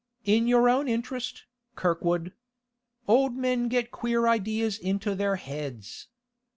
In your own interest, Kirkwood. Old men get queer ideas into their heads.